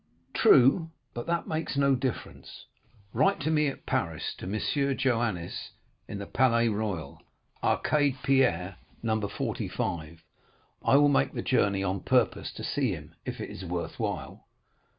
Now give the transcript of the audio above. "'True, but that makes no difference. Write to me at Paris, to M. Joannes, in the Palais Royal, arcade Pierre, No. 45. I will make the journey on purpose to see him, if it is worth while.